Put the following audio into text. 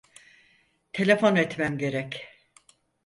Telefon etmem gerek.